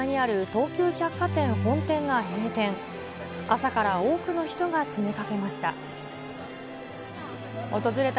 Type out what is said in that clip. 朝から多くの人が詰めかけました。